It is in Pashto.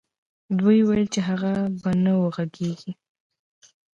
دوی ويل چې هغه به نه وغږېږي.